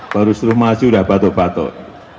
baru suruh maju udah batuk batuk